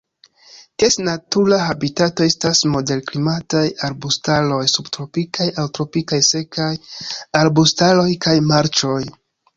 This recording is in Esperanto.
Ties natura habitato estas moderklimataj arbustaroj, subtropikaj aŭ tropikaj sekaj arbustaroj kaj marĉoj.